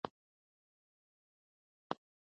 مراد به له سفر وروسته کور جوړ کړی وي.